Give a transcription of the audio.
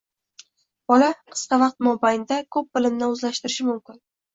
bola qisqa vaqt mobaynida ko‘p bilimni o‘zlashtirishi mumkin.